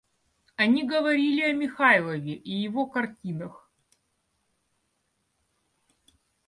Они говорили о Михайлове и его картинах.